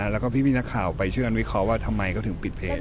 แล้วก็พี่นักข่าวไปช่วยกันวิเคราะห์ว่าทำไมเขาถึงปิดเพจ